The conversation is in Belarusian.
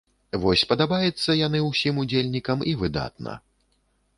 Вось падабаецца яны ўсім удзельнікам, і выдатна.